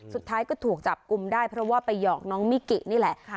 สุดท้ายก็ถูกจับกลุ่มได้เพราะว่าไปหอกน้องมิกินี่แหละ